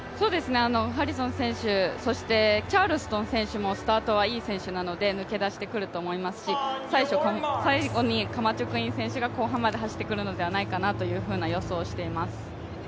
ハリソン選手、そしてチャールストン選手はスタートもいい選手なので、抜け出してくると思いますし、最後にカマチョクイン選手が後半まで走ってくるのではないかなという予想をしています。